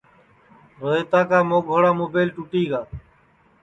روہیتا کا مونٚگوڑا مُبیل ٹُوٹی گا